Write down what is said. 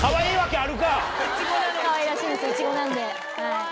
かわいらしいんですよいちごなんではい。